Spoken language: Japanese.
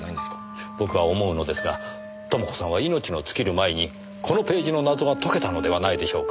僕は思うのですが朋子さんは命の尽きる前にこのページの謎が解けたのではないでしょうか。